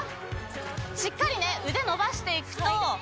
しっかりねうでのばしていくと。